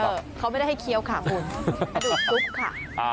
เขาไม่ได้ให้เคี้ยวค่ะคุณกระดูกซุปค่ะ